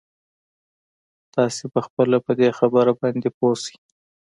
تاسې به خپله په دې خبره باندې پوه شئ.